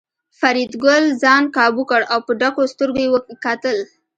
فریدګل ځان کابو کړ او په ډکو سترګو یې کتل